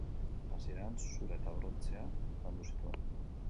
Hasieran, zura eta brontzea landu zituen.